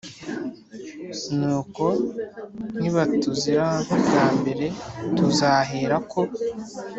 Nuko nibatuzira nk ubwa mbere tuzaherako